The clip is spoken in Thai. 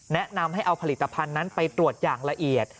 แนะนำให้เอาผลิตภัณฑ์นั้นไปตรวจอย่างละเอียด